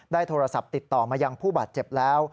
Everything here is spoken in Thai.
โทรศัพท์ติดต่อมายังผู้บาดเจ็บแล้ว